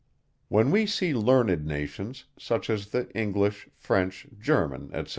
When we see learned nations, such as the English, French, German, etc.